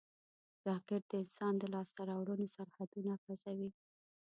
راکټ د انسان د لاسته راوړنو سرحدونه غځوي